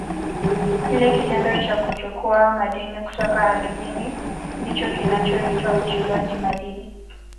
Kile kitendo cha kuchukua madini kutoka ardhini ndicho kinachoitwa uchimbaji madini.